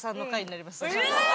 なりますね。